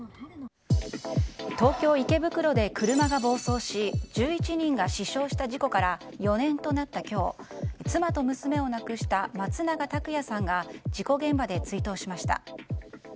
東京・池袋で車が暴走し１１人が死傷した事故から４年となった今日妻と娘を亡くした松永拓也さんが事故現場で追悼しました。